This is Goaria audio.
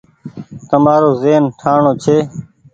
تمآرو زهين ٺآڻوڻ ڇي۔